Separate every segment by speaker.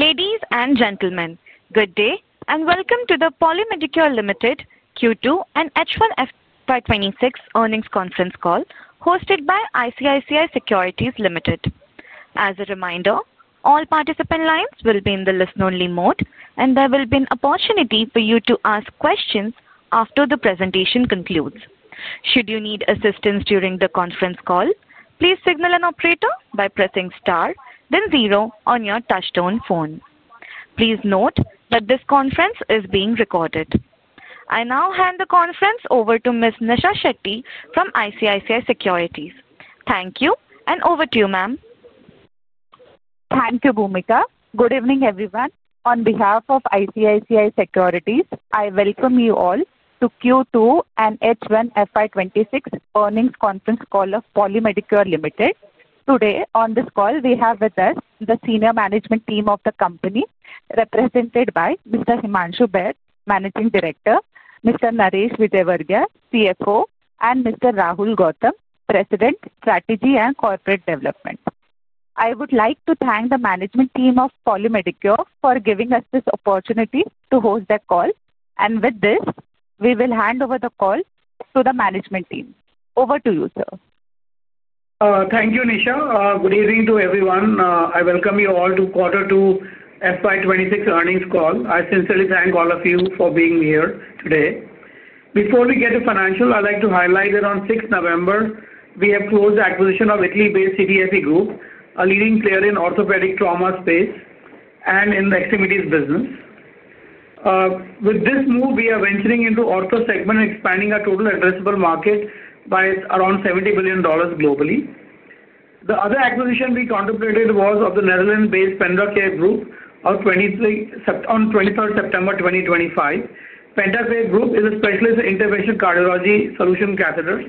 Speaker 1: Ladies and gentlemen, good day and welcome to the Poly Medicure Limited Q2 and H1 FY 2026 earnings conference call hosted by ICICI Securities Limited. As a reminder, all participant lines will be in the listen-only mode, and there will be an opportunity for you to ask questions after the presentation concludes. Should you need assistance during the conference call, please signal an operator by pressing star, then zero on your touch-tone phone. Please note that this conference is being recorded. I now hand the conference over to Ms. Nisha Shetty from ICICI Securities. Thank you, and over to you, ma'am.
Speaker 2: Thank you, Boomika. Good evening, everyone. On behalf of ICICI Securities, I welcome you all to Q2 and H1 FY 2026 earnings conference call of Poly Medicure Limited. Today, on this call, we have with us the senior management team of the company, represented by Mr. Himanshu Baid, Managing Director, Mr. Naresh Vadera, CFO, and Mr. Rahul Gautam, President, Strategy and Corporate Development. I would like to thank the management team of Poly Medicure for giving us this opportunity to host the call. With this, we will hand over the call to the management team. Over to you, sir.
Speaker 3: Thank you, Nisha. Good evening to everyone. I welcome you all to quarter two FY 2026 earnings call. I sincerely thank all of you for being here today. Before we get to financial, I'd like to highlight that on 6 November, we have closed the acquisition of Italy-based Citieffe Group, a leading player in the orthopedic trauma space and in the extremities business. With this move, we are venturing into the orthosegment and expanding our total addressable market by around $70 billion globally. The other acquisition we contemplated was of the Netherlands-based PendraCare Group on 23rd September 2025. PendraCare Group is a specialist in intervention cardiology solution catheters,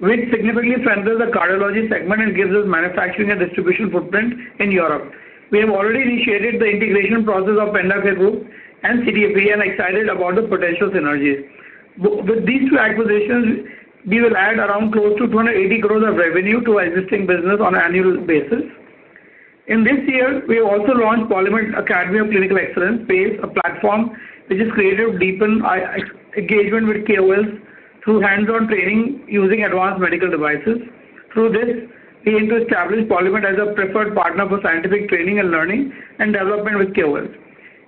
Speaker 3: which significantly strengthens the cardiology segment and gives us manufacturing and distribution footprint in Europe. We have already initiated the integration process of PendraCare Group and Citieffe, and I'm excited about the potential synergies. With these two acquisitions, we will add around close to 280 crore of revenue to our existing business on an annual basis. In this year, we have also launched the Poly Medic Academy of Clinical Excellence, a platform which is created to deepen engagement with KOLs through hands-on training using advanced medical devices. Through this, we aim to establish Poly Medic as a preferred partner for scientific training and learning and development with KOLs.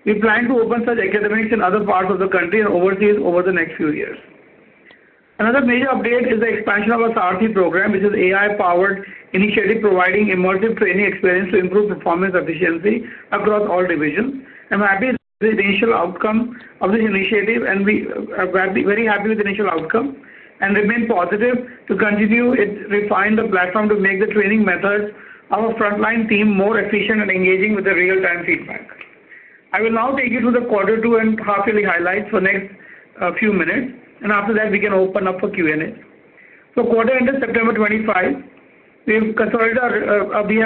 Speaker 3: We plan to open such academics in other parts of the country and overseas over the next few years. Another major update is the expansion of our SaaRC program, which is an AI-powered initiative providing immersive training experience to improve performance efficiency across all divisions. I'm happy with the initial outcome of this initiative, and we are very happy with the initial outcome, and remain positive to continue to refine the platform to make the training methods of our frontline team more efficient and engaging with the real-time feedback. I will now take you through the quarter two and half-yearly highlights for the next few minutes, and after that, we can open up for Q&A. For quarter ended, September 25, we have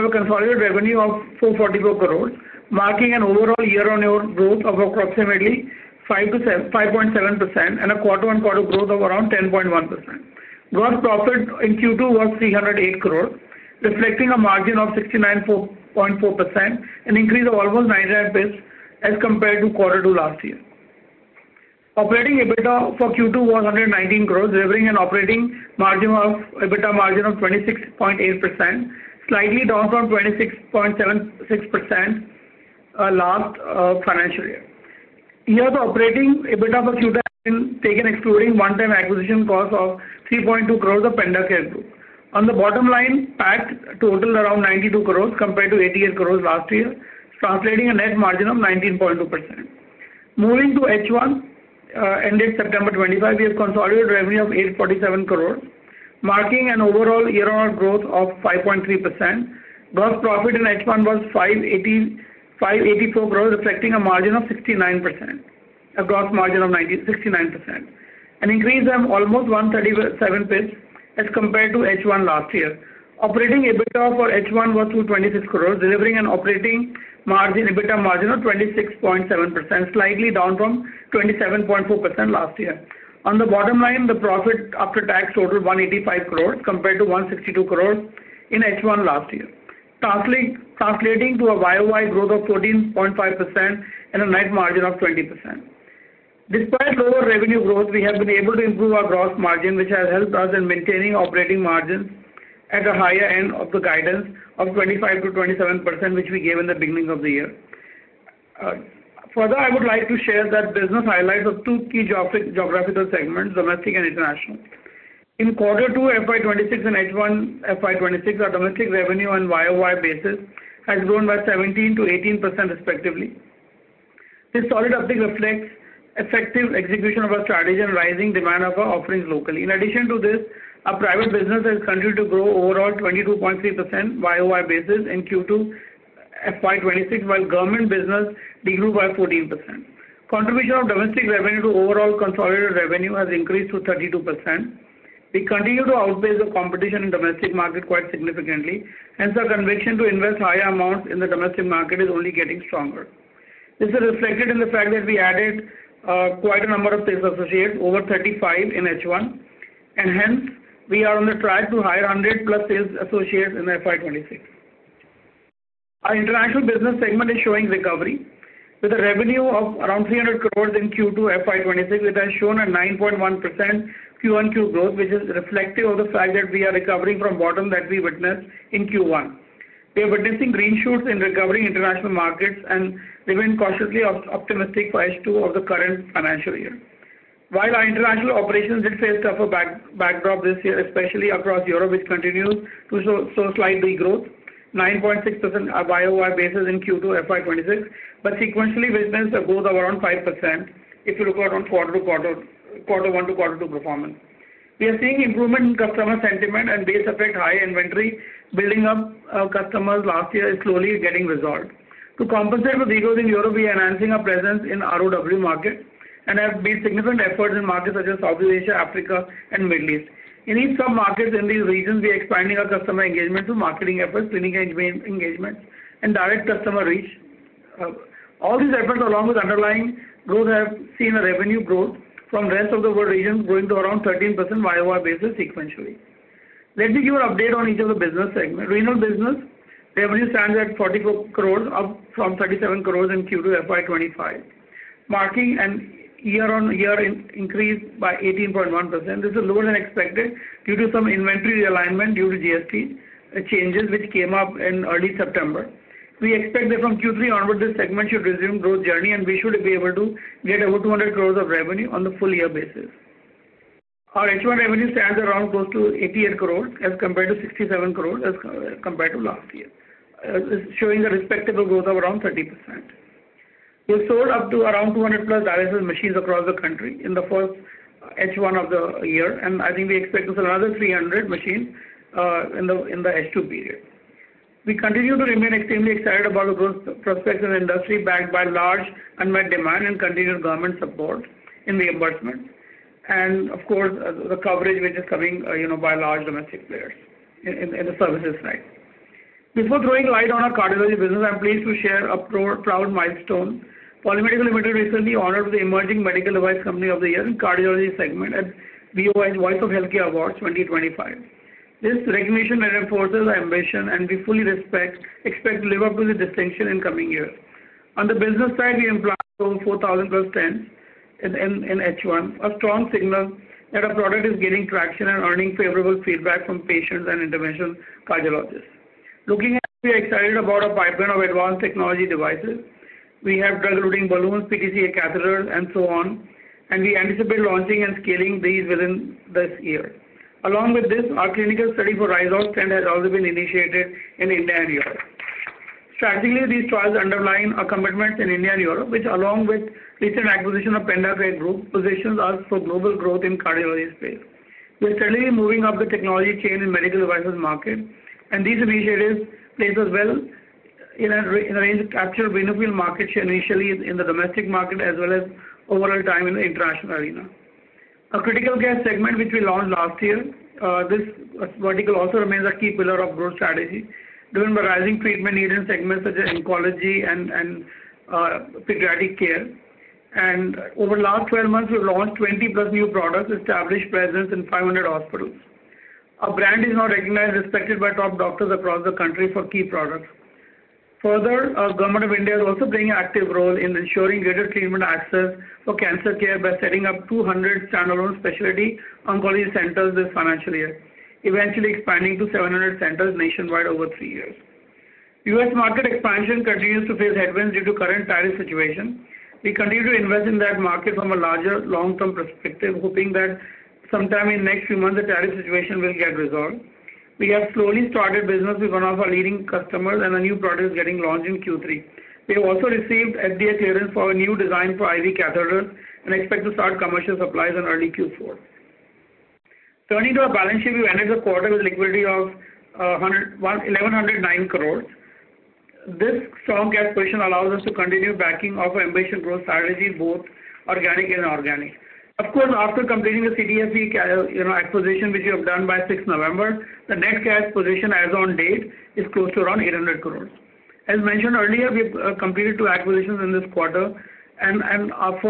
Speaker 3: a consolidated revenue of 444 crore, marking an overall year-on-year growth of approximately 5.7% and a quarter-on-quarter growth of around 10.1%. Gross profit in Q2 was 308 crore, reflecting a margin of 69.4%, an increase of almost 99 crore as compared to quarter two last year. Operating EBITDA for Q2 was 119 crore, delivering an operating margin of EBITDA margin of 26.8%, slightly down from 26.76% last financial year. Here, the operating EBITDA for Q2 has been taken, excluding one-time acquisition cost of 3.2 crore of PendraCare Group. On the bottom line, PAC totaled around 92 crore compared to 88 crore last year, translating a net margin of 19.2%. Moving to H1 ended September 25, we have consolidated revenue of 847 crore, marking an overall year-on-year growth of 5.3%. Gross profit in H1 was 584 crore, reflecting a margin of 69%, a gross margin of 69%, an increase of almost 137 crore as compared to H1 last year. Operating EBITDA for H1 was 226 crore, delivering an operating EBITDA margin of 26.7%, slightly down from 27.4% last year. On the bottom line, the profit after tax totaled 185 crore compared to 162 crore in H1 last year, translating to a year-on-year growth of 14.5% and a net margin of 20%. Despite lower revenue growth, we have been able to improve our gross margin, which has helped us in maintaining operating margins at a higher end of the guidance of 25%-27%, which we gave in the beginning of the year. Further, I would like to share that business highlights of two key geographical segments, domestic and international. In quarter two FY 2026 and H1 FY 2026, our domestic revenue on YoY basis has grown by 17%-18%, respectively. This solid uptick reflects effective execution of our strategy and rising demand of our offerings locally. In addition to this, our private business has continued to grow overall 22.3% YoY basis in Q2 FY 2026, while government business grew by 14%. Contribution of domestic revenue to overall consolidated revenue has increased to 32%. We continue to outpace the competition in the domestic market quite significantly, hence our conviction to invest higher amounts in the domestic market is only getting stronger. This is reflected in the fact that we added quite a number of sales associates, over 35 in H1, and hence we are on the track to hire 100-plus sales associates in FY 2026. Our international business segment is showing recovery with a revenue of around 300 crore in Q2 FY 2026, which has shown a 9.1% Q1Q growth, which is reflective of the fact that we are recovering from bottom that we witnessed in Q1. We are witnessing green shoots in recovering international markets, and we've been cautiously optimistic for H2 of the current financial year. While our international operations did face tougher backdrop this year, especially across Europe, which continues to show slight regrowth, 9.6% YoY basis in Q2 FY 2026, but sequentially witnessed a growth of around 5% if you look at Q1-Q2 performance. We are seeing improvement in customer sentiment, and this effects high inventory building up customers last year is slowly getting resolved. To compensate for the regrowth in Europe, we are enhancing our presence in the ROW market and have made significant efforts in markets such as Southeast Asia, Africa, and the Middle East. In these sub-markets in these regions, we are expanding our customer engagement through marketing efforts, clinical engagements, and direct customer reach. All these efforts, along with underlying growth, have seen revenue growth from the rest of the world regions growing to around 13% YoY basis sequentially. Let me give you an update on each of the business segments. Renal business revenue stands at 44 crore, up from 37 crore in Q2 FY 2025, marking a year-on-year increase by 18.1%. This is lower than expected due to some inventory realignment due to GST changes, which came up in early September. We expect that from Q3 onward, this segment should resume growth journey, and we should be able to get over 200 crore of revenue on the full-year basis. Our H1 revenue stands around close to 88 crore as compared to 67 crore as compared to last year, showing a respectable growth of around 30%. We have sold up to around 200+ dialysis machines across the country in the first H1 of the year, and I think we expect to sell another 300 machines in the H2 period. We continue to remain extremely excited about the growth prospects in the industry backed by large unmet demand and continued government support in reimbursement, and of course, the coverage which is coming by large domestic players in the services side. Before throwing light on our cardiology business, I'm pleased to share a proud milestone. Poly Medicure Limited recently honored the Emerging Medical Device Company of the Year in the Cardiology segment at BOI's Voice of Healthcare Awards 2025. This recognition reinforces our ambition, and we fully expect to live up to the distinction in coming years. On the business side, we employ over 4,000+ tenants in H1, a strong signal that our product is gaining traction and earning favorable feedback from patients and interventional cardiologists. Looking ahead, we are excited about our pipeline of advanced technology devices. We have drug-eluting balloons, PTCA catheters, and so on, and we anticipate launching and scaling these within this year. Along with this, our clinical study for R-Stent has also been initiated in India and Europe. Strategically, these trials underline our commitments in India and Europe, which, along with recent acquisition of PendraCare Group, positions us for global growth in the cardiology space. We are steadily moving up the technology chain in the medical devices market, and these initiatives place us well in a range to capture a winners' field market share initially in the domestic market as well as overall time in the international arena. Our critical care segment, which we launched last year, this vertical also remains a key pillar of growth strategy, driven by rising treatment need in segments such as Oncology and pediatric care. Over the last 12 months, we've launched 20+ new products, established presence in 500 hospitals. Our brand is now recognized and respected by top doctors across the country for key products. Further, the Government of India is also playing an active role in ensuring greater treatment access for cancer care by setting up 200 standalone specialty Oncology centers this financial year, eventually expanding to 700 centers nationwide over three years. U.S. market expansion continues to face headwinds due to the current tariff situation. We continue to invest in that market from a larger long-term perspective, hoping that sometime in the next few months, the tariff situation will get resolved. We have slowly started business with one of our leading customers, and a new product is getting launched in Q3. We have also received FDA clearance for a new design for IV Catheters and expect to start commercial supplies in early Q4. Turning to our balance sheet, we've ended the quarter with a liquidity of 1,109 crore. This strong cash position allows us to continue backing our ambition growth strategy, both organic and inorganic. Of course, after completing the Citieffe acquisition, which we have done by 6th November, the net cash position as of date is close to around 800 crore. As mentioned earlier, we have completed two acquisitions in this quarter, and our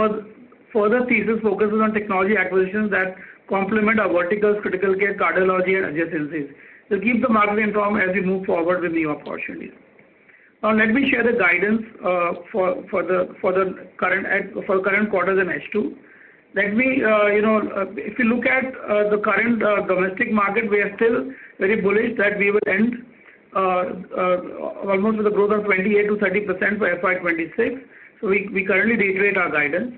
Speaker 3: further thesis focuses on technology acquisitions that complement our verticals, critical care, cardiology, and adjacencies. We'll keep the market informed as we move forward with new opportunities. Now, let me share the guidance for the current quarters in H2. Let me, if you look at the current domestic market, we are still very bullish that we will end almost with a growth of 28%-30% for FY 2026. So we currently detail our guidance.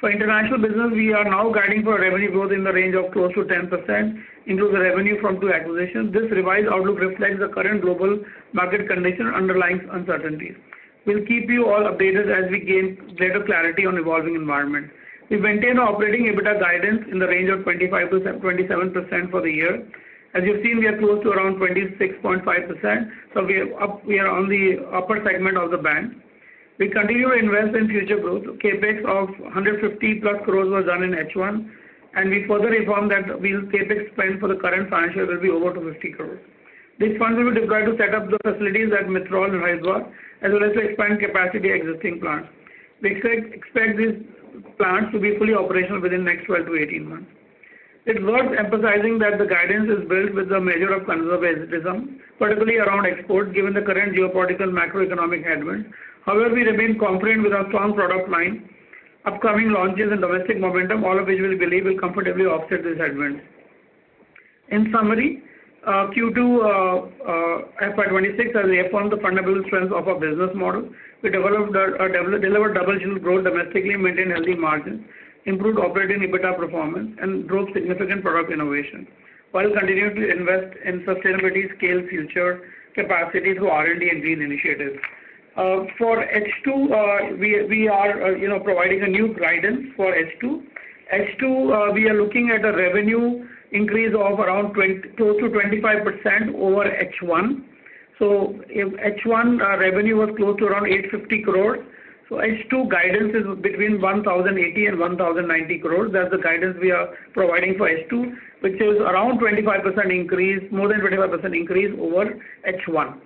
Speaker 3: For international business, we are now guiding for revenue growth in the range of close to 10%, including revenue from two acquisitions. This revised outlook reflects the current global market condition and underlying uncertainties. We'll keep you all updated as we gain greater clarity on the evolving environment. We maintain our operating EBITDA guidance in the range of 25%-27% for the year. As you've seen, we are close to around 26.5%, so we are on the upper segment of the band. We continue to invest in future growth. CapEx of 150+ crore was done in H1, and we further inform that CapEx spend for the current financial year will be over 250 crore. This fund will be deployed to set up the facilities at Mitral and Haridwar, as well as to expand capacity at existing plants. We expect these plants to be fully operational within the next 12-18 months. It's worth emphasizing that the guidance is built with a measure of conservatism, particularly around exports, given the current geopolitical macroeconomic headwinds. However, we remain confident with our strong product line, upcoming launches, and domestic momentum, all of which we believe will comfortably offset these headwinds. In summary, Q2 FY 2026 has reaffirmed the fundamental strength of our business model. We delivered double-digit growth domestically, maintained healthy margins, improved operating EBITDA performance, and drove significant product innovation, while continuing to invest in sustainability, scale future capacity through R&D and green initiatives. For H2, we are providing a new guidance for H2. H2, we are looking at a revenue increase of around close to 25% over H1. H1 revenue was close to around 850 crore. H2 guidance is between 1,080 crore-1,090 crore. That is the guidance we are providing for H2, which is around 25% increase, more than 25% increase over H1.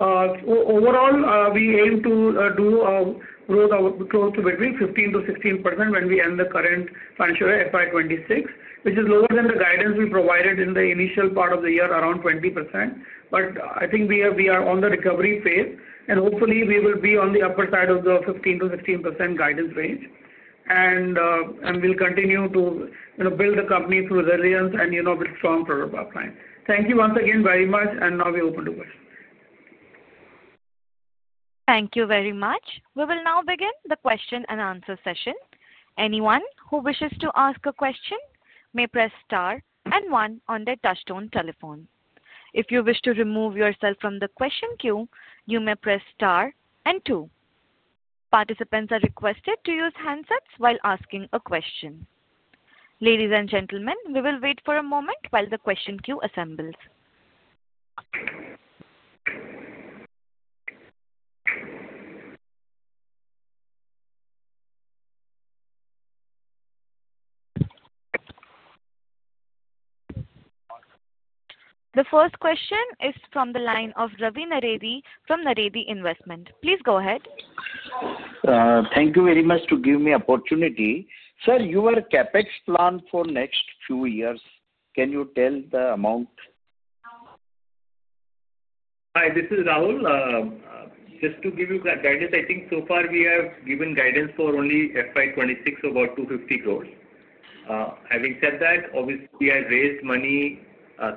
Speaker 3: Overall, we aim to do a growth of close to between 15%-16% when we end the current financial year FY 2026, which is lower than the guidance we provided in the initial part of the year, around 20%. I think we are on the recovery phase, and hopefully, we will be on the upper side of the 15%-16% guidance range, and we will continue to build the company through resilience and with a strong product pipeline. Thank you once again very much, and now we are open to questions.
Speaker 1: Thank you very much. We will now begin the question-and-answer session. Anyone who wishes to ask a question may press star and one on their touch-tone telephone. If you wish to remove yourself from the question queue, you may press star and two. Participants are requested to use handsets while asking a question. Ladies and gentlemen, we will wait for a moment while the question queue assembles. The first question is from the line of Ravi Naredi from Naredi Investment. Please go ahead.
Speaker 4: Thank you very much for giving me the opportunity. Sir, your CapEx plan for the next few years, can you tell the amount?
Speaker 5: Hi, this is Rahul. Just to give you guidance, I think so far we have given guidance for only FY 2026 of about 250 crore. Having said that, obviously, we have raised money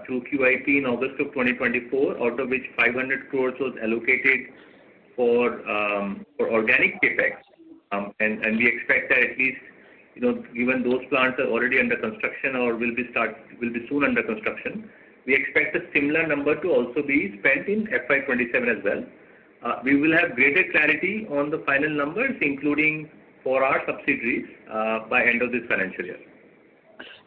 Speaker 5: through QIP in August of 2024, out of which 500 crore was allocated for organic CapEx. We expect that at least, given those plants are already under construction or will be soon under construction, we expect a similar number to also be spent in FY 2027 as well. We will have greater clarity on the final numbers, including for our subsidiaries by the end of this financial year.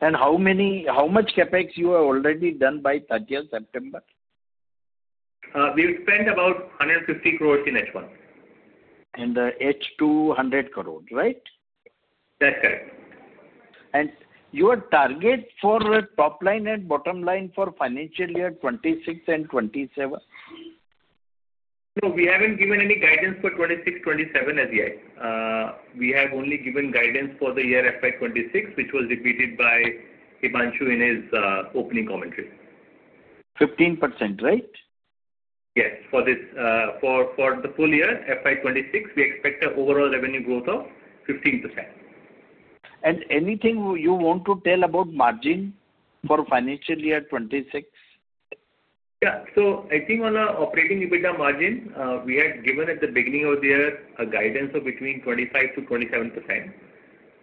Speaker 4: How much CapEx have you already done by 30th September?
Speaker 5: We have spent about 150 crore in H1.
Speaker 4: H2, 100 crore, right?
Speaker 5: That is correct.
Speaker 4: Your target for top line and bottom line for financial year 2026 and 2027?
Speaker 5: No, we have not given any guidance for 2026, 2027 as yet. We have only given guidance for the year FY 2026, which was repeated by Himanshu in his opening commentary.
Speaker 4: 15%, right?
Speaker 5: Yes. For the full year, FY 2026, we expect an overall revenue growth of 15%.
Speaker 4: Anything you want to tell about margin for financial year 2026?
Speaker 5: Yeah. I think on our operating EBITDA margin, we had given at the beginning of the year a guidance of between 25%-27%.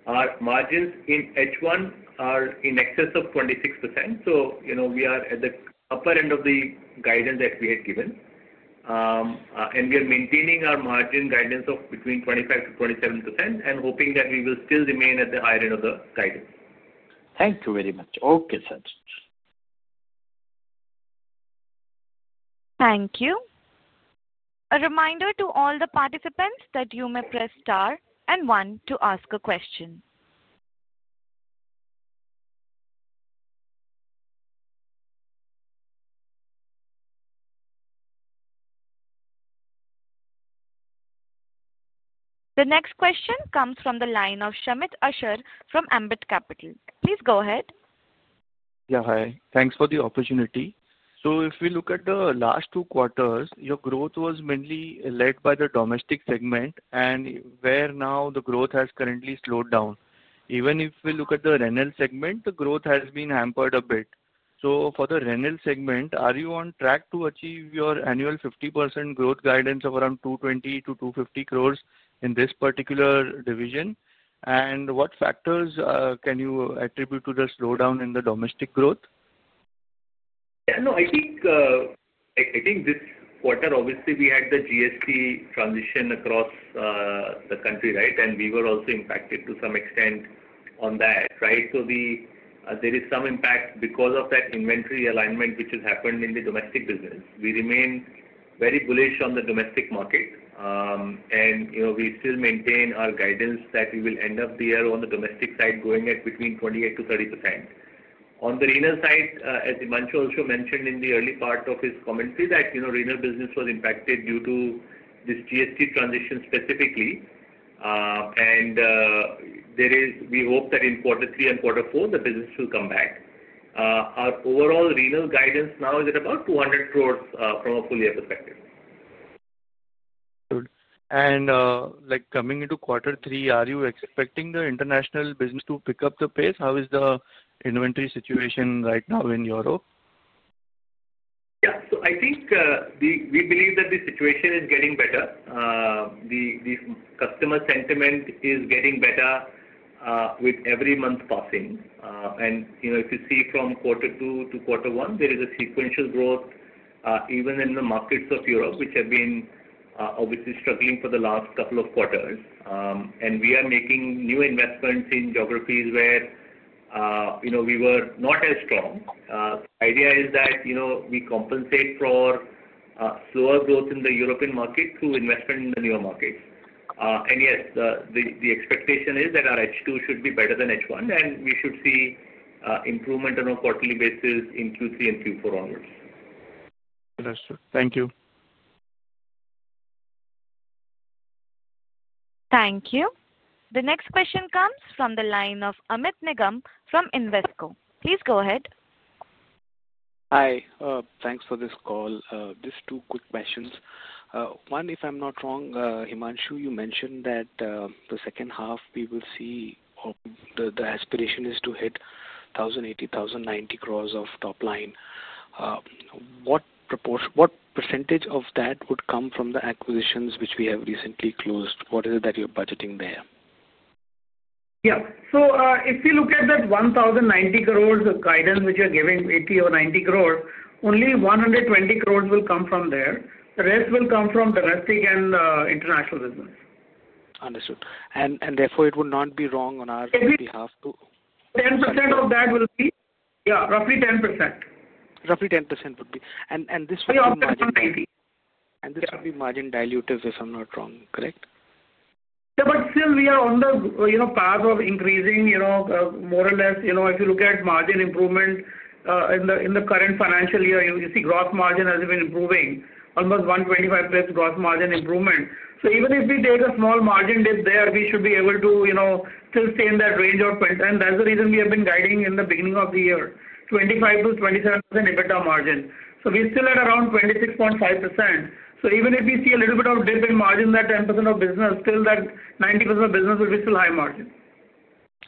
Speaker 5: Our margins in H1 are in excess of 26%. We are at the upper end of the guidance that we had given. We are maintaining our margin guidance of between 25%-27% and hoping that we will still remain at the higher end of the guidance.
Speaker 4: Thank you very much.
Speaker 5: Okay, sir.
Speaker 1: Thank you. A reminder to all the participants that you may press star and one to ask a question. The next question comes from the line of Shamit Ashar from Ambit Capital. Please go ahead.
Speaker 6: Yeah, hi. Thanks for the opportunity. If we look at the last two quarters, your growth was mainly led by the domestic segment, and where now the growth has currently slowed down. Even if we look at the renal segment, the growth has been hampered a bit. For the renal segment, are you on track to achieve your annual 50% growth guidance of around 220 crore-250 crore in this particular division? What factors can you attribute to the slowdown in the domestic growth?
Speaker 5: Yeah. No, I think this quarter, obviously, we had the GST transition across the country, right? We were also impacted to some extent on that, right? There is some impact because of that inventory alignment which has happened in the domestic business. We remain very bullish on the domestic market, and we still maintain our guidance that we will end of the year on the domestic side going at between 28%-30%. On the renal side, as Himanshu also mentioned in the early part of his commentary, that renal business was impacted due to this GST transition specifically, and we hope that in quarter three and quarter four, the business will come back. Our overall renal guidance now is at about 200 crore from a full-year perspective.
Speaker 6: Good. And coming into quarter three, are you expecting the international business to pick up the pace? How is the inventory situation right now in Europe?
Speaker 5: Yeah. I think we believe that the situation is getting better. The customer sentiment is getting better with every month passing. If you see from quarter two to quarter one, there is a sequential growth even in the markets of Europe, which have been obviously struggling for the last couple of quarters. We are making new investments in geographies where we were not as strong. The idea is that we compensate for slower growth in the European market through investment in the newer markets. Yes, the expectation is that our H2 should be better than H1, and we should see improvement on a quarterly basis in Q3 and Q4 onwards.
Speaker 6: Understood. Thank you.
Speaker 1: Thank you. The next question comes from the line of Amit Nigam from Invesco. Please go ahead.
Speaker 7: Hi. Thanks for this call. Just two quick questions. One, if I'm not wrong, Himanshu, you mentioned that the second half, we will see the aspiration is to hit 1,080 crore-1,090 crore of top line. What percentage of that would come from the acquisitions which we have recently closed? What is it that you're budgeting there?
Speaker 3: Yeah. So if you look at that $1,090 crore guidance which you're giving, $80 crore or $90 crore, only $120 crore will come from there. The rest will come from domestic and international business.
Speaker 7: Understood. Therefore, it would not be wrong on our behalf to.
Speaker 3: 10% of that will be. Yeah, roughly 10%.
Speaker 7: Roughly 10% would be. This would be margin dilutive. This would be margin dilutive, if I'm not wrong, correct?
Speaker 3: Yeah. Still, we are on the path of increasing more or less. If you look at margin improvement in the current financial year, you see gross margin has been improving, almost 125% gross margin improvement. Even if we take a small margin dip there, we should be able to still stay in that range. That's the reason we have been guiding in the beginning of the year, 25%-27% EBITDA margin. We're still at around 26.5%. Even if we see a little bit of dip in margin in that 10% of business, still that 90% of business will be still high margin.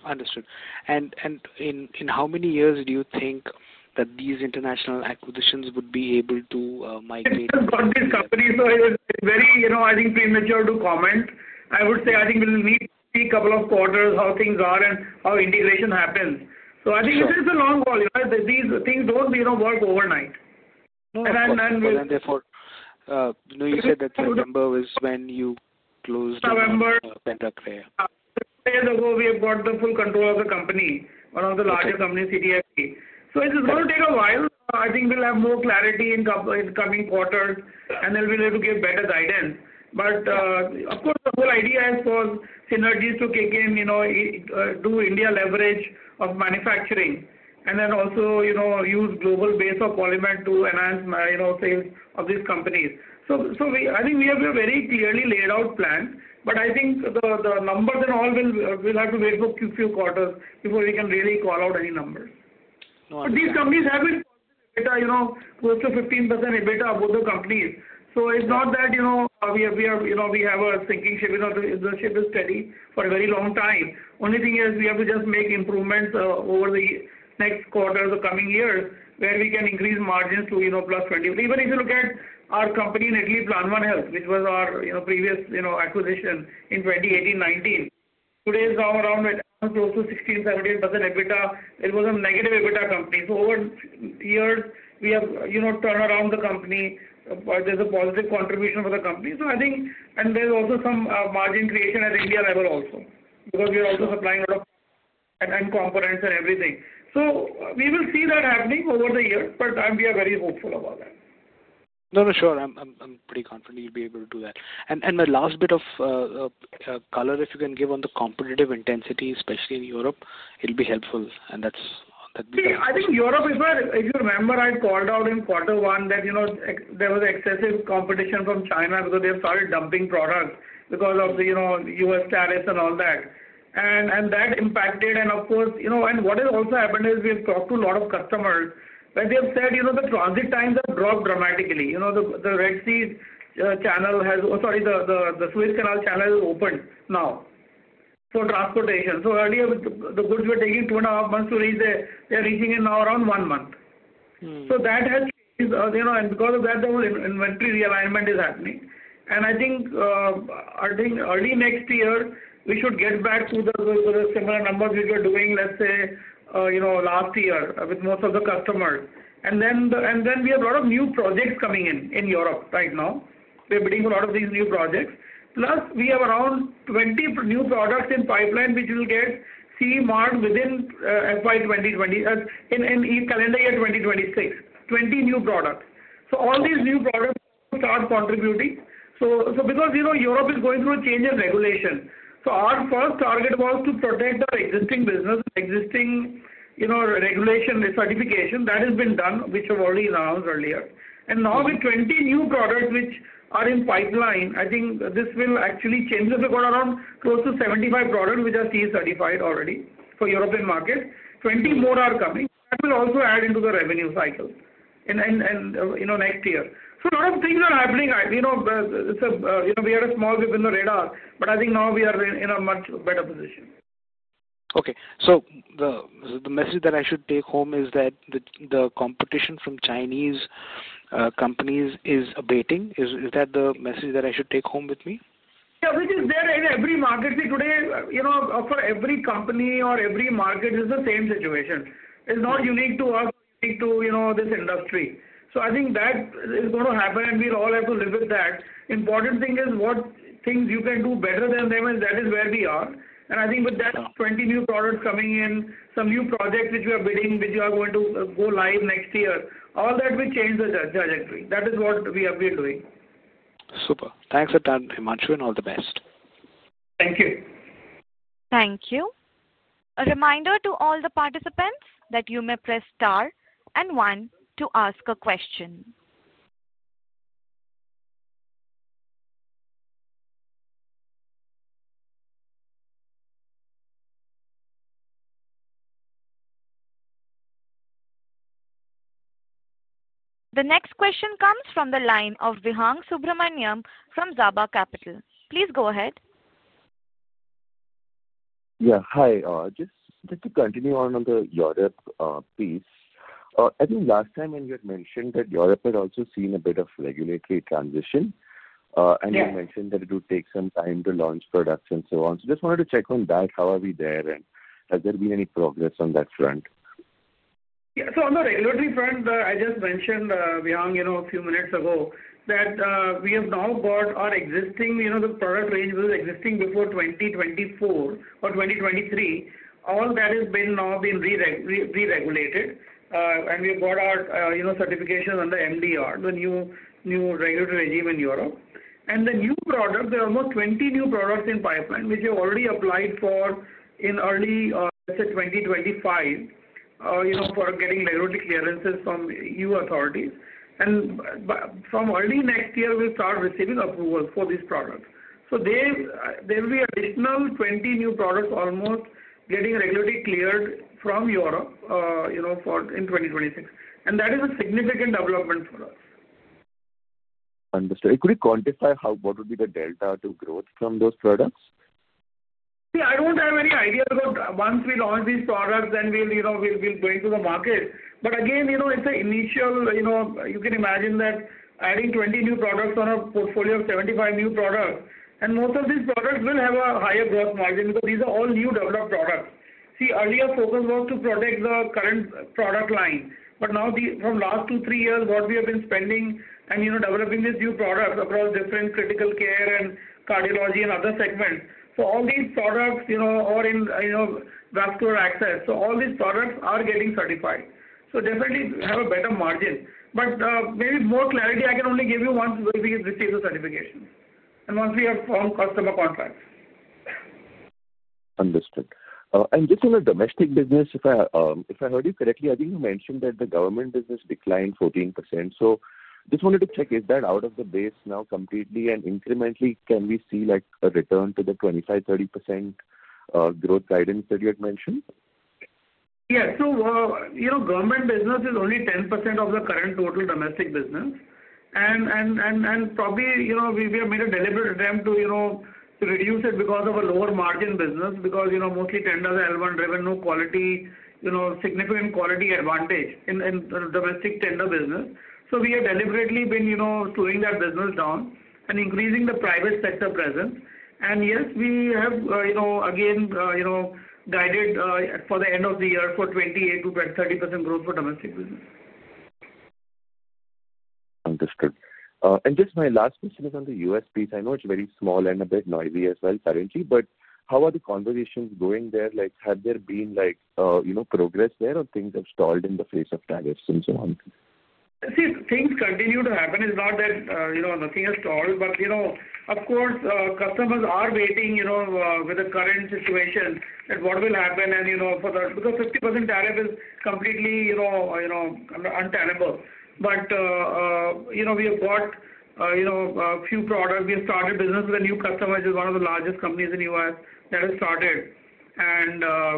Speaker 7: Understood. In how many years do you think that these international acquisitions would be able to migrate?
Speaker 3: We've just got these companies, so it's very, I think, premature to comment. I would say I think we'll need to see a couple of quarters how things are and how integration happens. I think it's a long haul. These things don't work overnight.
Speaker 7: Therefore, you said that the number was when you closed in November. Yeah.
Speaker 3: Yeah. A year ago, we have got the full control of the company, one of the larger companies, CGIC. It's going to take a while. I think we'll have more clarity in coming quarters, and then we'll be able to give better guidance. Of course, the whole idea is for synergies to kick in, do India leverage of manufacturing, and then also use global base of Poly Medicure to enhance sales of these companies. I think we have a very clearly laid out plan, but I think the numbers and all will have to wait for a few quarters before we can really call out any numbers. These companies have been close to 15% EBITDA of both the companies. It's not that we have a sinking ship. The ship is steady for a very long time. Only thing is we have to just make improvements over the next quarter or the coming years where we can increase margins to +20%. Even if you look at our company in Italy, Plan One Health, which was our previous acquisition in 2018, 2019, today is now around close to 16%-17% EBITDA. It was a negative EBITDA company. Over years, we have turned around the company. There is a positive contribution for the company. I think, and there is also some margin creation at India level also because we are also supplying a lot of components and everything. We will see that happening over the years, but we are very hopeful about that.
Speaker 7: No, no, sure. I'm pretty confident you'll be able to do that. My last bit of color, if you can give on the competitive intensity, especially in Europe, it'll be helpful. That'd be helpful.
Speaker 3: I think Europe, if you remember, I called out in quarter one that there was excessive competition from China because they have started dumping products because of the U.S. status and all that. That impacted, and of course, what has also happened is we have talked to a lot of customers where they have said the transit times have dropped dramatically. The Red Sea Channel has, sorry, the Suez Canal Channel is open now for transportation. Earlier, the goods were taking two and a half months to reach. They are reaching in now around one month. That has changed, and because of that, the whole inventory realignment is happening. I think early next year, we should get back to the similar numbers which we were doing, let's say, last year with most of the customers. We have a lot of new projects coming in Europe right now. We are bidding for a lot of these new projects. Plus, we have around 20 new products in pipeline which will get CE Marked within FY 2020 in calendar year 2026. Twenty new products. All these new products will start contributing. Because Europe is going through a change in regulation, our first target was to protect our existing business, existing regulation, certification that has been done, which we have already announced earlier. Now with 20 new products which are in pipeline, I think this will actually change the record around close to 75 products which are CE certified already for European markets. Twenty more are coming. That will also add into the revenue cycle next year. A lot of things are happening. We had a small dip in the radar, but I think now we are in a much better position.
Speaker 7: Okay. So the message that I should take home is that the competition from Chinese companies is abating. Is that the message that I should take home with me?
Speaker 3: Yeah. Which is there in every market today. For every company or every market, it's the same situation. It's not unique to us, unique to this industry. I think that is going to happen, and we all have to live with that. Important thing is what things you can do better than them, and that is where we are. I think with that, 20 new products coming in, some new projects which we are bidding, which are going to go live next year, all that will change the trajectory. That is what we are doing.
Speaker 7: Super. Thanks for that, Himanshu, and all the best.
Speaker 3: Thank you.
Speaker 1: Thank you. A reminder to all the participants that you may press star and one to ask a question. The next question comes from the line of Vihang Subramaniam from Zauba Capital. Please go ahead.
Speaker 8: Yeah. Hi. Just to continue on the Europe piece, I think last time when you had mentioned that Europe had also seen a bit of regulatory transition, and you mentioned that it would take some time to launch products and so on. Just wanted to check on that. How are we there, and has there been any progress on that front?
Speaker 3: Yeah. On the regulatory front, I just mentioned, Vihang, a few minutes ago that we have now got our existing, the product range was existing before 2024 or 2023. All that has now been re-regulated, and we have got our certification under MDR, the new regulatory regime in Europe. The new products, there are almost 20 new products in pipeline which are already applied for in early, let's say, 2025 for getting regulatory clearances from EU authorities. From early next year, we'll start receiving approvals for these products. There will be additional 20 new products almost getting regulatory cleared from Europe in 2026. That is a significant development for us.
Speaker 8: Understood. Could you quantify what would be the delta to growth from those products?
Speaker 3: See, I don't have any idea because once we launch these products, then we'll go into the market. Again, it's an initial, you can imagine that adding 20 new products on a portfolio of 75 new products. Most of these products will have a higher gross margin because these are all new developed products. Earlier, focus was to protect the current product line. From the last two, three years, what we have been spending and developing are these new products across different critical care and cardiology and other segments. All these products, or in vascular access, all these products are getting certified. They definitely have a better margin. Maybe more clarity I can only give you once we receive the certifications and once we have formed customer contracts.
Speaker 8: Understood. Just on the domestic business, if I heard you correctly, I think you mentioned that the government business declined 14%. I just wanted to check, is that out of the base now completely, and incrementally, can we see a return to the 25%-30% growth guidance that you had mentioned?
Speaker 3: Yeah. Government business is only 10% of the current total domestic business. We have made a deliberate attempt to reduce it because it is a lower margin business, because mostly tenders are L1 driven, with no significant quality advantage in domestic tender business. We have deliberately been slowing that business down and increasing the private sector presence. Yes, we have again guided for the end of the year for 28%-30% growth for domestic business.
Speaker 8: Understood. Just my last question is on the U.S. piece. I know it is very small and a bit noisy as well currently, but how are the conversations going there? Have there been progress there or have things stalled in the face of tariffs and so on?
Speaker 3: Things continue to happen. It's not that nothing has stalled, but of course, customers are waiting with the current situation that what will happen and for the because 50% tariff is completely untenable. We have got a few products. We have started business with a new customer, which is one of the largest companies in the U.S. that has started.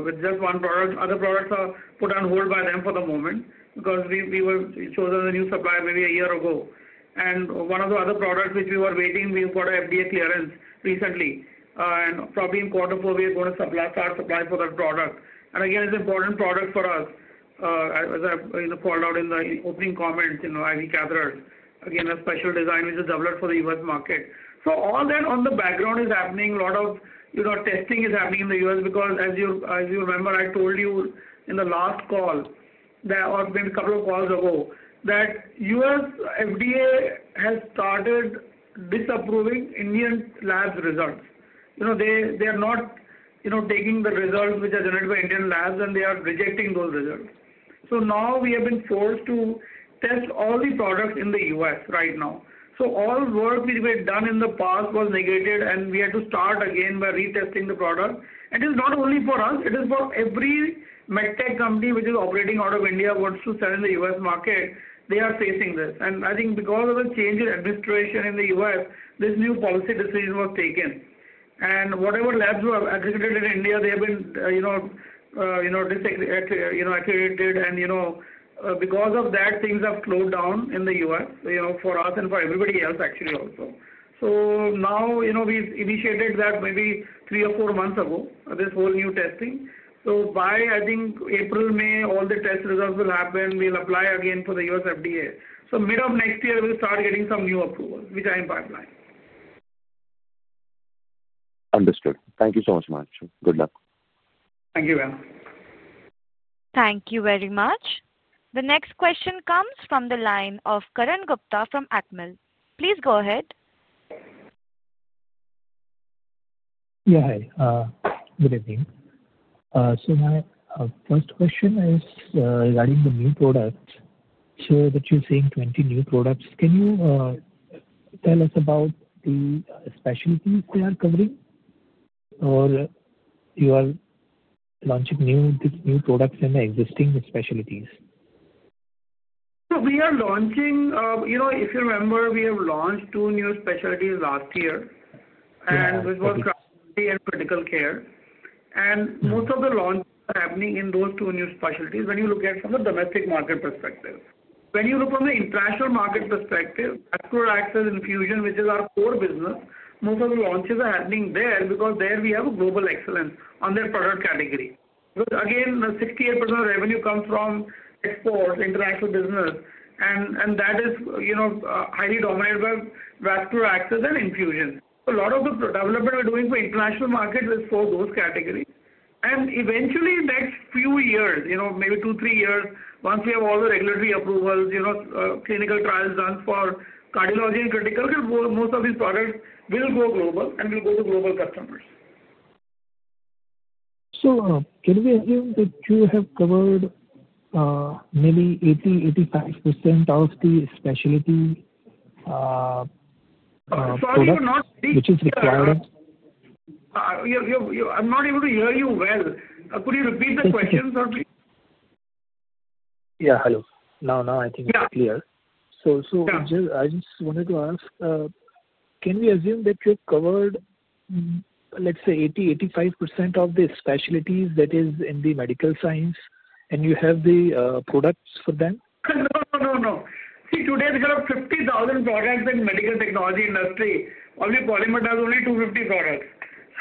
Speaker 3: With just one product, other products are put on hold by them for the moment because we chose a new supplier maybe a year ago. One of the other products which we were waiting, we got an FDA clearance recently. Probably in quarter four, we are going to start supplying for that product. Again, it's an important product for us, as I called out in the opening comments, IV Catheters. Again, a special design which is developed for the U.S. market. All that on the background is happening. A lot of testing is happening in the U.S. because, as you remember, I told you in the last call or maybe a couple of calls ago that U.S. FDA has started disapproving Indian labs' results. They are not taking the results which are generated by Indian labs, and they are rejecting those results. Now we have been forced to test all the products in the U.S. right now. All work which we had done in the past was negated, and we had to start again by retesting the product. It is not only for us. It is for every MedTech company which is operating out of India and wants to sell in the U.S. market. They are facing this. I think because of the change in administration in the U.S., this new policy decision was taken. Whatever labs were executed in India, they have been disaccredited. Because of that, things have slowed down in the U.S. for us and for everybody else, actually, also. Now we have initiated that maybe three or four months ago, this whole new testing. By, I think, April, May, all the test results will happen. We will apply again for the U.S. FDA. Mid of next year, we will start getting some new approvals, which are in pipeline.
Speaker 8: Understood. Thank you so much. Good luck.
Speaker 3: Thank you, Vihang.
Speaker 1: Thank you very much. The next question comes from the line of Karan Gupta from ICICIIL. Please go ahead.
Speaker 9: Yeah. Hi. Good evening. My first question is regarding the new products. You are seeing 20 new products, can you tell us about the specialties they are covering, or you are launching new products in existing specialties?
Speaker 3: We are launching, if you remember, we have launched two new specialties last year, which were cardiology and critical care. Most of the launches are happening in those two new specialties when you look at it from the domestic market perspective. When you look from the international market perspective, vascular access infusion, which is our core business, most of the launches are happening there because we have global excellence in that product category. Again, 68% of revenue comes from exports, international business, and that is highly dominated by vascular access and infusion. A lot of the development we are doing for international markets is for those categories. Eventually, in the next few years, maybe two or three years, once we have all the regulatory approvals and clinical trials done for cardiology and critical care, most of these products will go global and will go to global customers.
Speaker 9: So can we assume that you have covered maybe 80%, 85% of the specialty products which is required?
Speaker 3: I'm not able to hear you well. Could you repeat the question, sir?
Speaker 9: Yeah. Hello. Now, now I think it's clear. So I just wanted to ask, can we assume that you've covered, let's say, 80%, 85% of the specialties that is in the medical science, and you have the products for them?
Speaker 3: No, no, no, no. See, today we have 50,000 products in the medical technology industry. Only Polymed has only 250 products.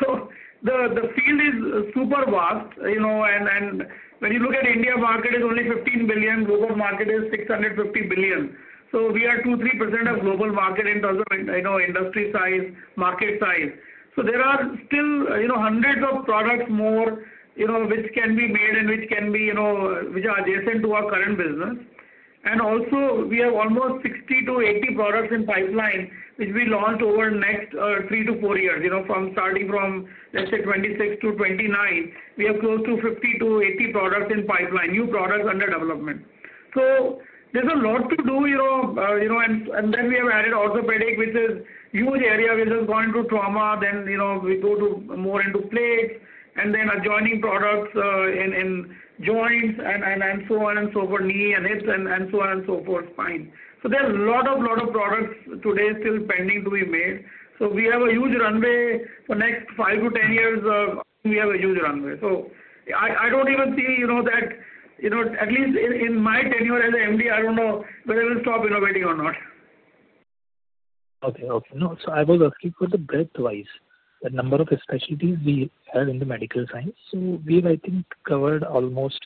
Speaker 3: So the field is super vast. And when you look at the India market, it's only 15 billion. Global market is $650 billion. So we are 2%, 3% of global market in terms of industry size, market size. There are still hundreds of products more which can be made and which are adjacent to our current business. Also, we have almost 60-80 products in pipeline which we launch over the next three to four years. Starting from, let's say, 2026-2029, we have close to 50-80 products in pipeline, new products under development. There is a lot to do. We have added orthopedic, which is a huge area which has gone into trauma. We go more into plates, and then adjoining products in joints and so on and so forth, knee and hips and so on and so forth, spine. There are a lot of products today still pending to be made. We have a huge runway for the next 5-10 years. We have a huge runway. I do not even see that, at least in my tenure as an MD, I do not know whether we will stop innovating or not.
Speaker 9: Okay. Okay. No, I was asking for the breadth-wise, the number of specialties we have in the medical science. We have, I think, covered almost.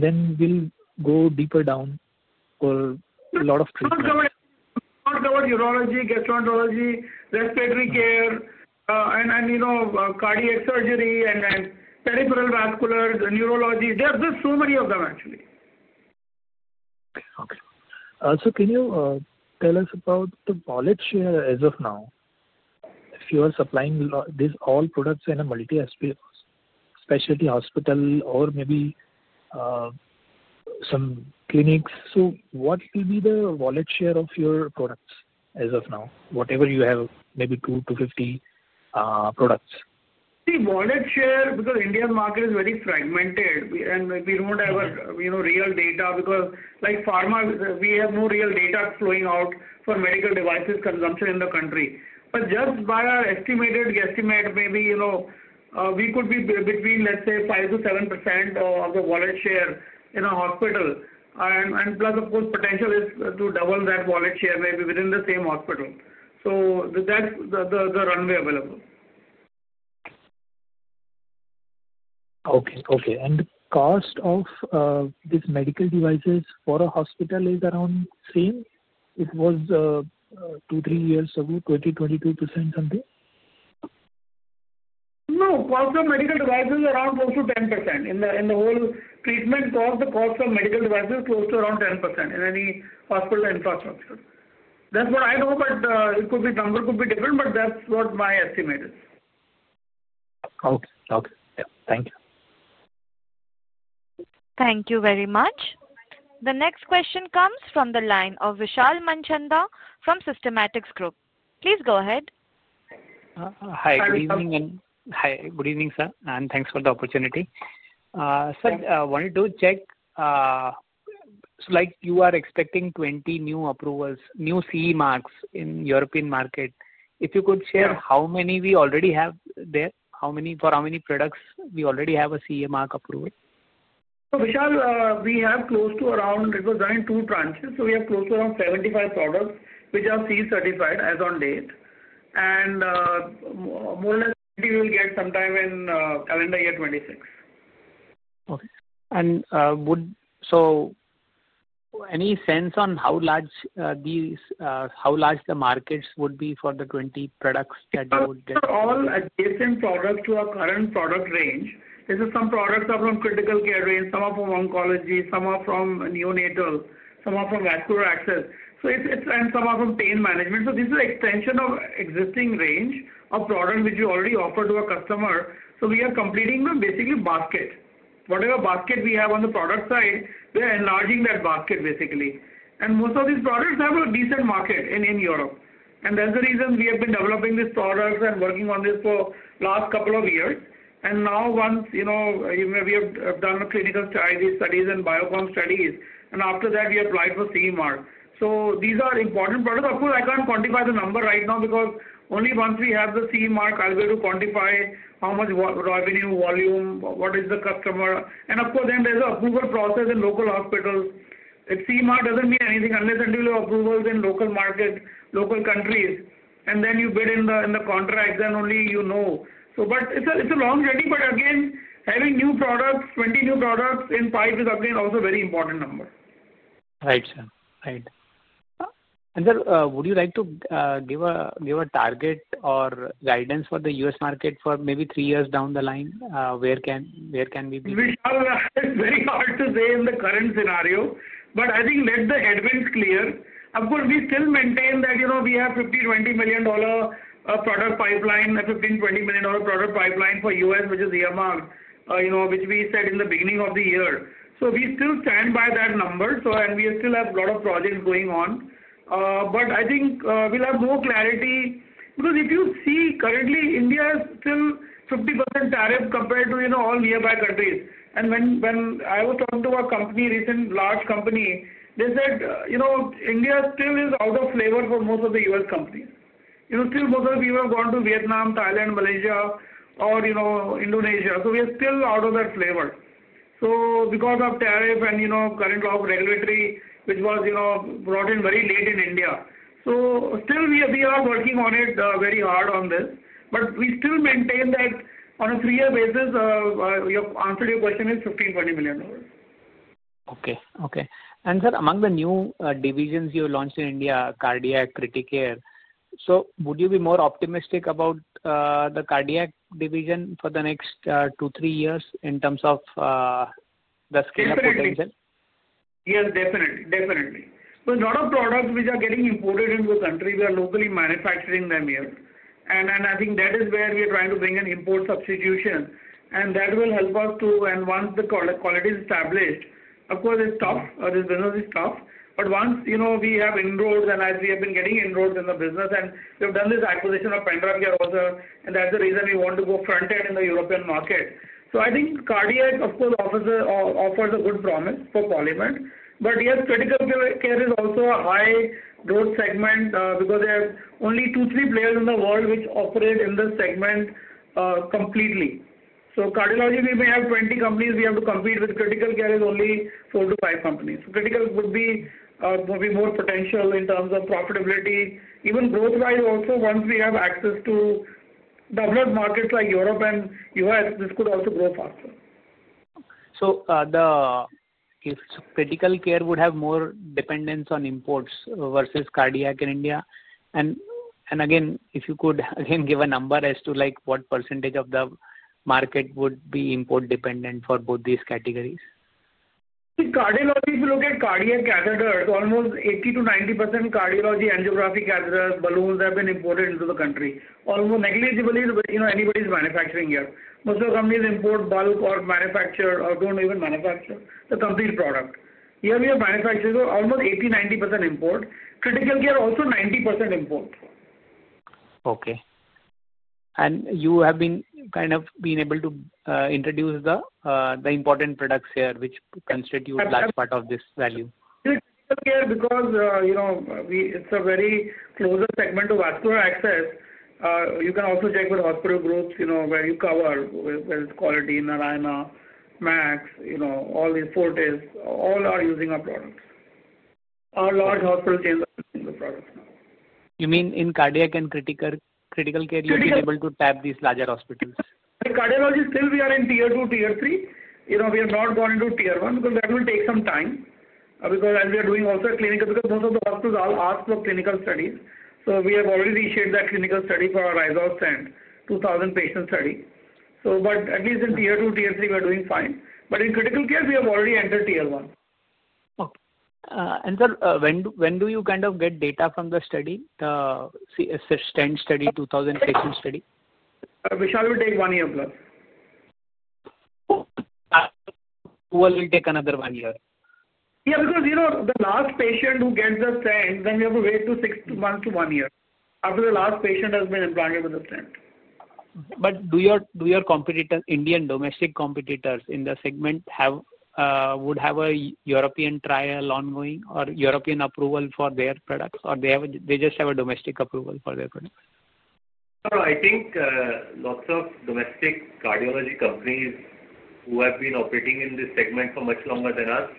Speaker 9: Then we will go deeper down for a lot of treatments.
Speaker 3: We have covered urology, gastroenterology, respiratory care, cardiac surgery, peripheral vascular, neurology. There are just so many of them, actually.
Speaker 9: Okay. Okay. Can you tell us about the knowledge as of now? If you are supplying these all products in a multi-specialty hospital or maybe some clinics, what will be the wallet share of your products as of now, whatever you have, maybe 20-50 products?
Speaker 3: See, wallet share because the Indian market is very fragmented, and we do not have real data because pharma, we have no real data flowing out for medical devices consumption in the country. But just by our estimated guesstimate, maybe we could be between, let's say, 5%-7% of the wallet share in a hospital. Plus, of course, potential is to double that wallet share maybe within the same hospital. That is the runway available.
Speaker 9: Okay. Okay. The cost of these medical devices for a hospital is around the same? It was two, three years ago, 20%-22%, something?
Speaker 3: No. Cost of medical devices is around close to 10%. In the whole treatment cost, the cost of medical devices is close to around 10% in any hospital infrastructure. That is what I know, but the number could be different, but that is what my estimate is.
Speaker 9: Okay. Okay. Yeah. Thank you.
Speaker 1: Thank you very much. The next question comes from the line of Vishal Manchanda from Systematix Group. Please go ahead.
Speaker 3: Hi.
Speaker 10: Hi. And good evening, sir. And thanks for the opportunity. Sir, I wanted to check. You are expecting 20 new approvals, new CE Marks in the European market. If you could share how many we already have there, for how many products we already have a CE Mark approval?
Speaker 3: Vishal, we have close to around, because I am in two tranches, we have close to around 75 products which are CE certified as of date. More or less, we will get sometime in calendar year 2026.
Speaker 10: Okay. Any sense on how large the markets would be for the 20 products that you would get?
Speaker 3: All adjacent products to our current product range. This is some products are from critical care range, some are from Oncology, some are from Neonatal, some are from vascular access, and some are from pain management. This is an extension of existing range of product which we already offer to a customer. We are completing basically a basket. Whatever basket we have on the product side, we are enlarging that basket, basically. Most of these products have a decent market in Europe. That is the reason we have been developing these products and working on this for the last couple of years. Now, once we have done clinical studies and bioform studies, and after that, we applied for CE Mark. These are important products. Of course, I can't quantify the number right now because only once we have the CE Mark, I'll be able to quantify how much revenue volume, what is the customer. Of course, then there's an approval process in local hospitals. CE Mark doesn't mean anything unless until you have approvals in local market, local countries, and then you bid in the contracts, then only you know. It's a long journey. Again, having 20 new products in pipe is also a very important number.
Speaker 10: Right, sir. Right. Sir, would you like to give a target or guidance for the U.S. market for maybe three years down the line? Where can we be?
Speaker 3: Vishal, it's very hard to say in the current scenario, but I think let the headwinds clear. Of course, we still maintain that we have a $50 million-$20 million product pipeline, $15 million-$20 million product pipeline for U.S., which is EMR, which we said in the beginning of the year. We still stand by that number, and we still have a lot of projects going on. I think we'll have more clarity because if you see, currently, India is still 50% tariff compared to all nearby countries. When I was talking to a large company, they said India still is out of flavor for most of the U.S. companies. Most of the people have gone to Vietnam, Thailand, Malaysia, or Indonesia. We are still out of that flavor because of tariff and current law of regulatory, which was brought in very late in India. We are working on it very hard on this. We still maintain that on a three-year basis, your answer to your question is $15-$20 million.
Speaker 10: Okay. Okay. And sir, among the new divisions you launched in India, cardiac, critical care, would you be more optimistic about the cardiac division for the next two-three years in terms of the scale of potential?
Speaker 3: Yes, definitely. Definitely. Because a lot of products which are getting imported into the country, we are locally manufacturing them here. I think that is where we are trying to bring an import substitution. That will help us too. Once the quality is established, of course, it's tough. This business is tough. Once we have inroads, and as we have been getting inroads in the business, and we have done this acquisition of PendraCare also, that's the reason we want to go front-end in the European market. I think cardiac, of course, offers a good promise for Polymed. Yes, critical care is also a high growth segment because there are only two or three players in the world which operate in the segment completely. Cardiology, we may have 20 companies. We have to compete with critical care; it is only four to five companies. Critical would be more potential in terms of profitability. Even growth-wise also, once we have access to developed markets like Europe and the U.S., this could also grow faster.
Speaker 10: Critical care would have more dependence on imports versus cardiac in India? If you could again give a number as to what percentage of the market would be import-dependent for both these categories?
Speaker 3: Cardiology, if you look at cardiac catheters, almost 80%-90% cardiology angiographic catheters, balloons have been imported into the country. Almost negligibly, anybody is manufacturing here. Most of the companies import bulk or manufacture or do not even manufacture the complete product. Here, we have manufacturing almost 80%-90% import. Critical care also 90% import.
Speaker 10: Okay. You have been kind of been able to introduce the important products here which constitute a large part of this value?
Speaker 3: Critical care because it is a very closer segment to vascular access. You can also check with hospital groups where you cover, whether it is Quality, Narayana, Max, all the Fortis, all are using our products. Our large hospitals are using the products now.
Speaker 10: You mean in cardiac and critical care, you have been able to tap these larger hospitals?
Speaker 3: Cardiology, still we are in tier two, tier three. We have not gone into tier one because that will take some time because as we are doing also clinical because most of the hospitals ask for clinical studies. We have already initiated that clinical study for a R-Stent 2000 Patient Study. At least in tier two, tier three, we are doing fine. In critical care, we have already entered tier one.
Speaker 10: When do you kind of get data from the study, the Stent study, 2000 patient study?
Speaker 3: Vishal, it will take one year plus.
Speaker 10: Who will take another one year?
Speaker 3: Yeah, because the last patient who gets the Stent, then we have to wait two months to one year after the last patient has been implanted with the Stent.
Speaker 10: Do your competitors, Indian domestic competitors in the segment, have a European trial ongoing or European approval for their products, or do they just have a domestic approval for their products?
Speaker 5: I think lots of domestic cardiology companies who have been operating in this segment for much longer than us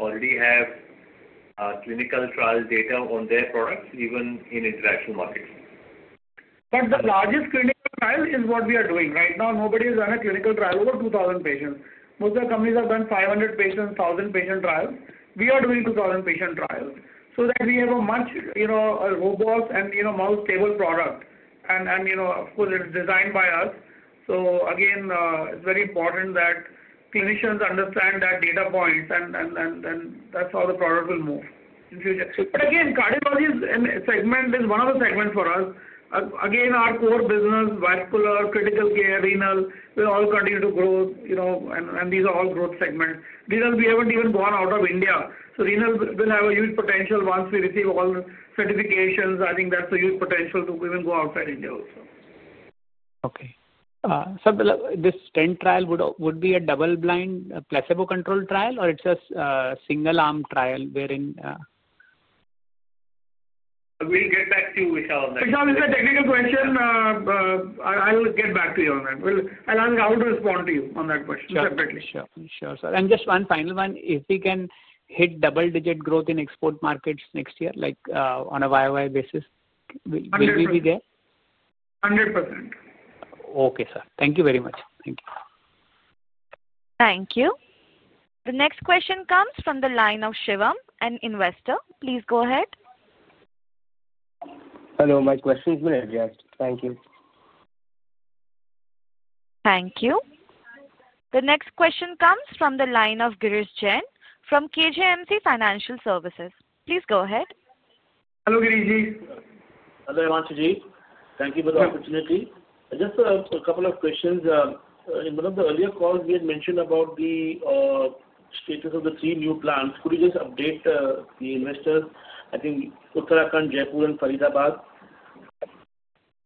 Speaker 5: already have clinical trial data on their products, even in international markets.
Speaker 3: The largest clinical trial is what we are doing right now. Nobody has done a clinical trial over 2,000 patients. Most of the companies have done 500 patient, 1,000 patient trials. We are doing 2,000 patient trials so that we have a much robust and most stable product. It is designed by us. It is very important that clinicians understand that data points, and that is how the product will move in the future. The Cardiology segment is one of the segments for us. Our core business, vascular, critical care, renal, will all continue to grow, and these are all growth segments. Renal, we have not even gone out of India. Renal will have a huge potential once we receive all the certifications. I think that's a huge potential to even go outside India also.
Speaker 10: Okay. Sir, this Stent trial would be a double-blind placebo-controlled trial, or it's a single-arm trial wherein?
Speaker 5: We'll get back to you, Vishal, on that.
Speaker 3: Vishal, it's a technical question. I'll get back to you on that. I'll ask how to respond to you on that question separately.
Speaker 10: Sure. Sure. Sure. Just one final one. If we can hit double-digit growth in export markets next year on a YoY basis, will we be there?
Speaker 3: 100%.
Speaker 10: Okay, sir. Thank you very much.
Speaker 1: Thank you. Thank you. The next question comes from the line of Shivam, an investor. Please go ahead.
Speaker 11: Hello. My question's been addressed. Thank you.
Speaker 1: Thank you. The next question comes from the line of Girish Jain from KJMC Financial Services. Please go ahead.
Speaker 3: Hello, GJ.
Speaker 12: Hello, Himanshu Baid. Thank you for the opportunity. Just a couple of questions. In one of the earlier calls, we had mentioned about the status of the three new plants. Could you just update the investors? I think Uttarakhand, Jaipur, and Faridabad.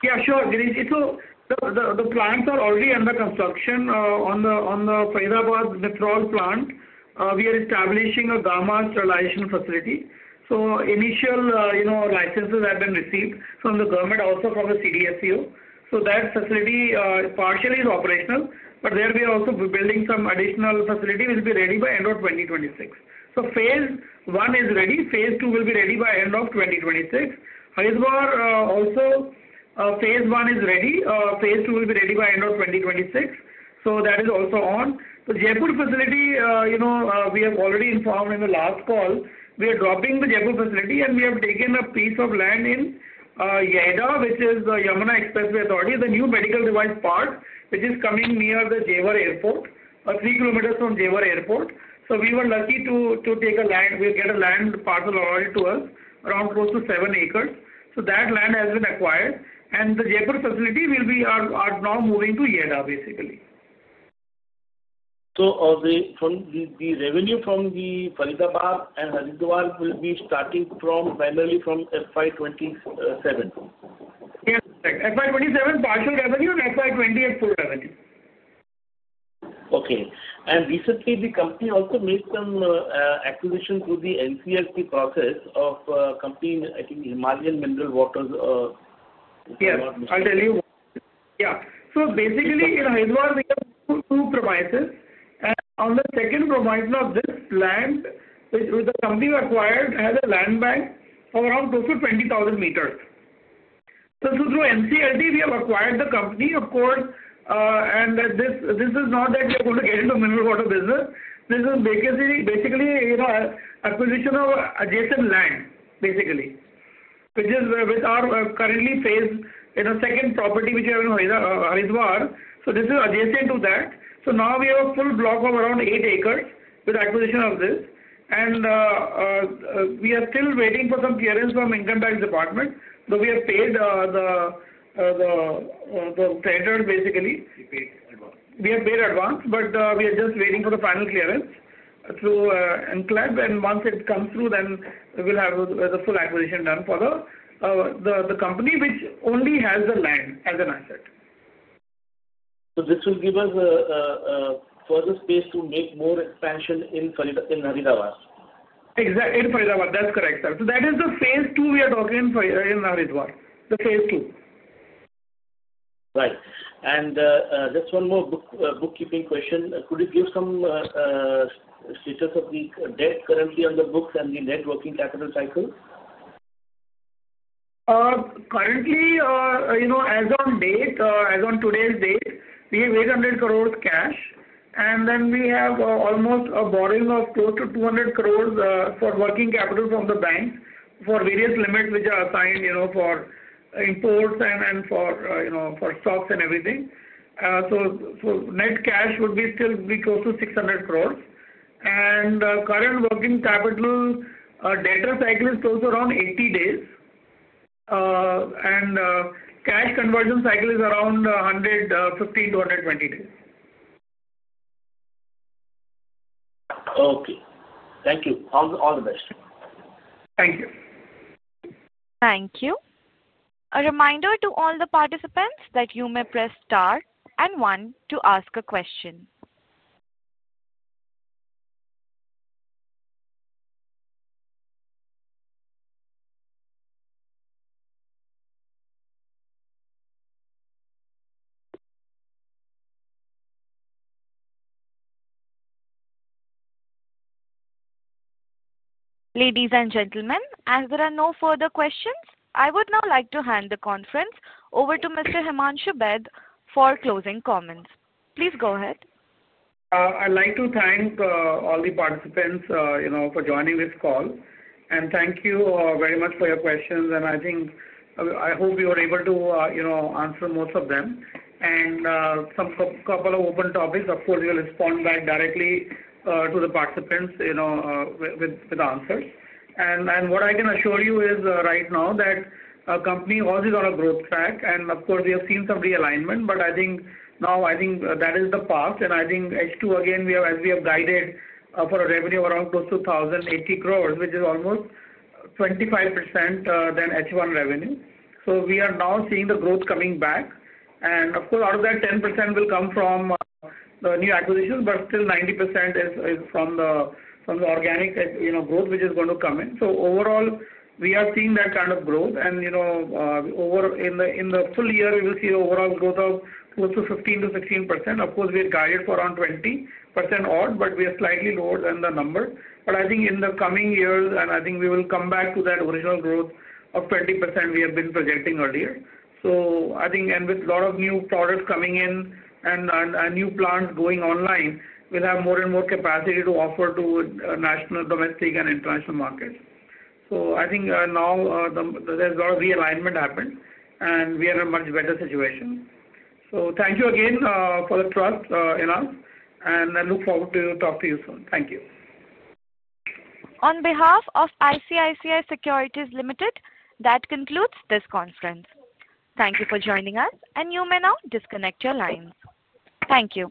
Speaker 3: Yeah, sure. The plants are already under construction. On the Faridabad Nitrile plant, we are establishing a Gamma Sterilization Facility. Initial licenses have been received from the government, also from the CDSCO. That facility partially is operational, but we are also building some additional facility which will be ready by end of 2026. Phase one is ready. Phase two will be ready by end of 2026. Haridwar also, phase one is ready. Phase two will be ready by end of 2026. That is also on. The Jaipur facility, we have already informed in the last call, we are dropping the Jaipur facility, and we have taken a piece of land in YEIDA, which is the Yamuna Expressway Industrial Development Authority, the new medical device park which is coming near the Jewar Airport, three kilometers from Jewar Airport. We were lucky to get a land parcel already to us, around close to seven acres. That land has been acquired, and the Jaipur facility will be now moving to YEIDA, basically.
Speaker 12: The revenue from the Faridabad and Haridwar will be starting primarily from FY 2027?
Speaker 3: Yes. FY 2027, partial revenue, and FY 2028, full revenue.
Speaker 12: Okay. Recently, the company also made some acquisition through the NCLT process of company, I think, Himalayan Mineral Waters.
Speaker 3: Yes. I'll tell you. Yeah. Basically, in Haridwar, we have two provises. On the second provision of this land, which the company acquired as a land bank for around close to 20,000 meters. Through NCLT, we have acquired the company, of course. This is not that we are going to get into mineral water business. This is basically acquisition of adjacent land, basically, which is with our currently phase second property which we have in Haridwar. This is adjacent to that. Now we have a full block of around eight acres with acquisition of this. We are still waiting for some clearance from Income Tax Department. We have paid the creditor, basically.
Speaker 5: We paid advance.
Speaker 3: We have paid advance, but we are just waiting for the final clearance through NCLT. Once it comes through, then we'll have the full acquisition done for the company, which only has the land as an asset.
Speaker 12: This will give us further space to make more expansion in Haridwar.
Speaker 3: Exactly. In Faridabad. That's correct, sir. That is the phase two we are talking in Haridwar, the phase two.
Speaker 12: Right. Just one more bookkeeping question. Could you give some status of the debt currently on the books and the net working capital cycle?
Speaker 3: Currently, as on today's date, we have 800 crore cash, and then we have almost a borrowing of close to 200 crore for working capital from the banks for various limits which are assigned for imports and for stocks and everything. Net cash would be still close to 600 crore. Current working capital data cycle is close to around 80 days, and cash conversion cycle is around 115-120 days.
Speaker 12: Okay. Thank you. All the best.
Speaker 3: Thank you.
Speaker 1: Thank you. A reminder to all the participants that you may press star and one to ask a question. Ladies and gentlemen, as there are no further questions, I would now like to hand the conference over to Mr. Himanshu Baid for closing comments. Please go ahead.
Speaker 3: I'd like to thank all the participants for joining this call. Thank you very much for your questions. I hope you were able to answer most of them. Some couple of open topics, of course, we'll respond back directly to the participants with answers. What I can assure you is right now that our company also is on a growth track. We have seen some realignment, but I think now I think that is the past. I think H2, again, as we have guided for a revenue of around 1,080 crore, which is almost 25% than H1 revenue. We are now seeing the growth coming back. Of course, out of that, 10% will come from the new acquisitions, but still 90% is from the organic growth which is going to come in. Overall, we are seeing that kind of growth. In the full year, we will see overall growth of close to 15%-16%. Of course, we are guided for around 20% odd, but we are slightly lower than the number. I think in the coming years, we will come back to that original growth of 20% we have been projecting earlier. I think, and with a lot of new products coming in and new plants going online, we'll have more and more capacity to offer to national, domestic, and international markets. I think now there's a lot of realignment happened, and we are in a much better situation. Thank you again for the trust in us, and I look forward to talking to you soon. Thank you.
Speaker 1: On behalf of ICICI Securities Limited, that concludes this conference. Thank you for joining us, and you may now disconnect your lines. Thank you.